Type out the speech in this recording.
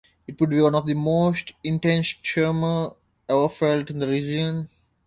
It would be one of the most intense tremor ever felt in the region.